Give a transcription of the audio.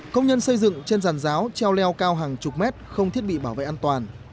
công nhân xây dựng trên giàn giáo treo leo cao hàng chục mét không thiết bị bảo vệ an toàn